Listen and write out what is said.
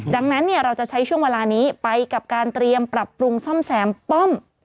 ดังนั้นเราจะใช้ช่วงเวลานี้ไปกับการเตรียมปรับปรุงซ่อมแซมป้อม